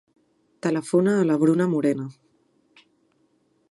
Telefona a la Bruna Morena.